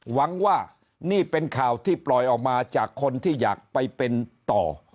หวังว่านี่เป็นข่าวที่ปล่อยออกมาจากคนที่อยากไปเป็นต่อ